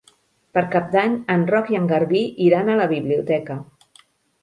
Per Cap d'Any en Roc i en Garbí iran a la biblioteca.